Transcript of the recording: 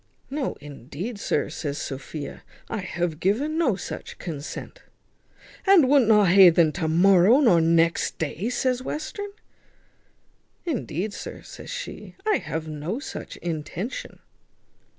"No, indeed, sir," says Sophia, "I have given no such consent." "And wunt not ha un then to morrow, nor next day?" says Western. "Indeed, sir," says she, "I have no such intention."